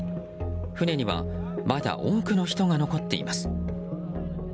船にはまだ多くの人が残っています。